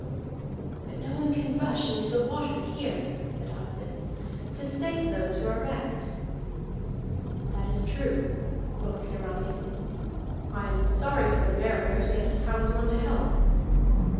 "But no one can rush into the water here," said Asdis, "to save those who are wrecked." "That is true," quoth Hiarandi. "I am sorry for the mariners, yet how is one to help?"